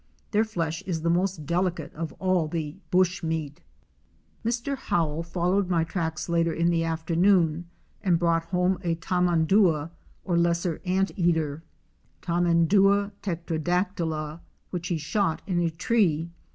Their flesh is the most delicate of all the 'bush meat." Mr. Howell followed my tracks later in the afternoon and brought home a Tamandua, or Lesser Anteater (Tamandua tetradactyla), which he shot in a tree.